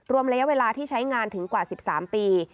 ระยะเวลาที่ใช้งานถึงกว่า๑๓ปี